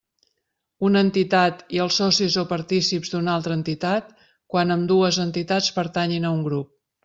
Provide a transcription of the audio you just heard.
Una entitat i els socis o partícips d'una altra entitat, quan ambdues entitats pertanyin a un grup.